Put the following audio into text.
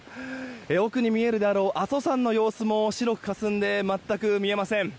奥に見えるであろう阿蘇山の様子も白くかすんで全く見えません。